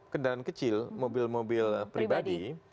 kendaraan kecil mobil mobil pribadi